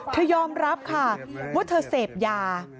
ยอมรับค่ะว่าเธอเสพยา